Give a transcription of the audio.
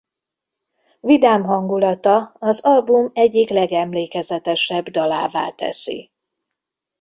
Vidám hangulata az album egyik legemlékezetesebb dalává teszi.